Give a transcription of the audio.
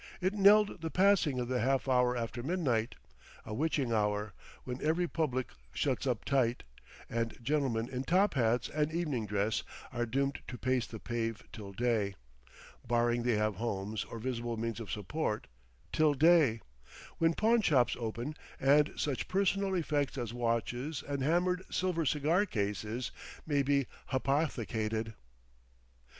It knelled the passing of the half hour after midnight; a witching hour, when every public shuts up tight, and gentlemen in top hats and evening dress are doomed to pace the pave till day (barring they have homes or visible means of support) till day, when pawnshops open and such personal effects as watches and hammered silver cigar cases may be hypothecated.